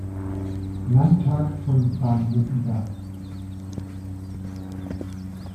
Landtag von Baden-Württemberg.